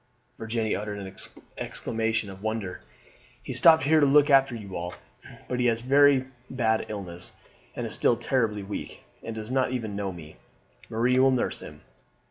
Virginie uttered an exclamation of wonder. "He stopped here to look after you all, but he has had a very bad illness, and is still terribly weak, and does not even know me. Marie will nurse him.